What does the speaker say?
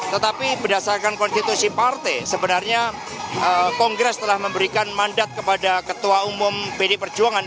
tetapi berdasarkan konstitusi partai sebenarnya kongres telah memberikan mandat kepada ketua umum pdi perjuangan